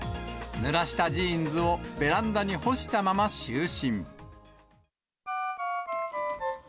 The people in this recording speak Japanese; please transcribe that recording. ぬらしたジーンズをベランダに干したまま就寝。